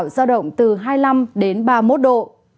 giao động từ hai mươi năm đến ba mươi một độ